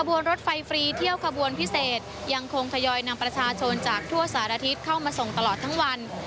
วนรถไฟฟรีเที่ยวขบวนพิเศษยังคงทยอยนำประชาชนจากทั่วสารอาทิตย์เข้ามาส่งตลอดทั้งวัน